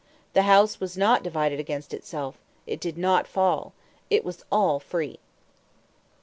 The house was not divided against itself; it did not fall; it was all free.